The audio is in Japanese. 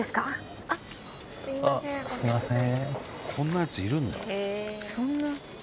すいません。